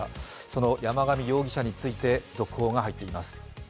その山上容疑者について続報が入っています。